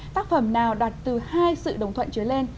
tác phẩm nào đặt từ hai sự đồng thuận trở lên